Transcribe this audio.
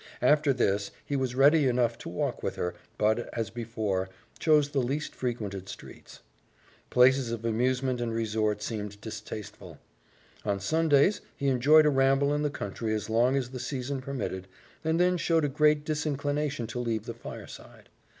After this, he was ready enough to walk with her, but, as before, chose the least frequented streets. Places of amusement and resort seemed distasteful. On Sundays he enjoyed a ramble in the country as long as the season permitted, and then showed a great disinclination to leave the fireside.